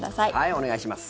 お願いします。